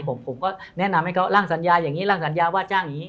ผมก็แนะนำให้เขาร่างสัญญาอย่างนี้ร่างสัญญาว่าจ้างอย่างนี้